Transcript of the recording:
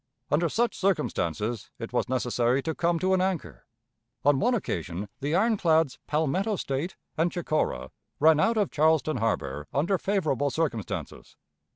Under such circumstances it was necessary to come to an anchor. On one occasion the ironclads Palmetto State and Chicora ran out of Charleston Harbor under favorable circumstances.